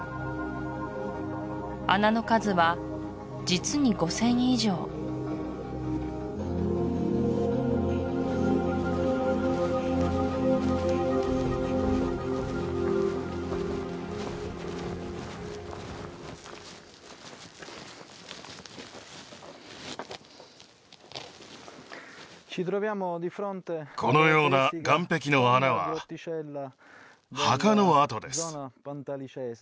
穴の数は実に５０００以上このような岩壁の穴は墓の跡です